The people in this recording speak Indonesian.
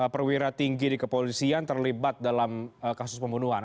perwira tinggi di kepolisian terlibat dalam kasus pembunuhan